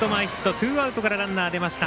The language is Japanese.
ツーアウトからランナーが出ました。